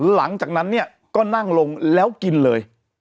หลังจากนั้นเนี่ยก็นั่งลงแล้วกินเลย